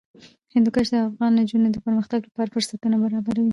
هندوکش د افغان نجونو د پرمختګ لپاره فرصتونه برابروي.